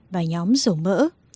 và nhóm dầu mỡ